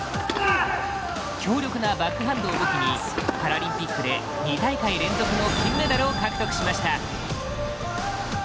強力なバックハンドを武器にパラリンピックで２大会連続の金メダルを獲得しました。